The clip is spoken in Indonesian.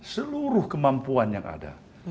seluruh kemampuan yang ada